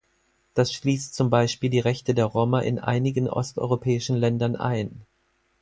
Das schließt zum Beispiel die Rechte der Roma in einigen osteuropäischen Ländern ein.